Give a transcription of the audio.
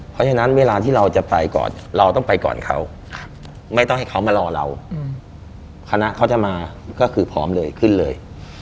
เพราะฉะนั้นเวลาที่เราจะไปก่อนเราต้องไปก่อนเขาไม่ต้องให้เขามารอเราคณะเขาจะมาก็คือพร้อมเลยขึ้นเลย